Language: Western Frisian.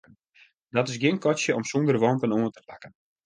Dat is gjin katsje om sûnder wanten oan te pakken.